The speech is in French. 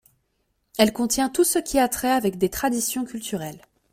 Elle contient tout ce qui a trait avec des traditions culturelles.